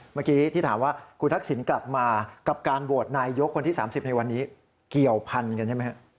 เมื่อกี้ที่ถามว่าคุณทักษิณกลับมากับการโหวตนายยกคนที่๓๐ในวันนี้เกี่ยวพันกันใช่ไหมครับ